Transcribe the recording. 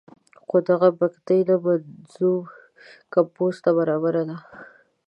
خو دغه بګتۍ نه منظوم کمپوز ته برابره ده.